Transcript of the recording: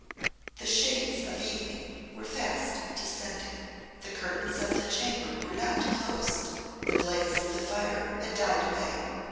The shades of evening were fast descending, the curtains of the chamber were not closed, the blaze of the fire had died away.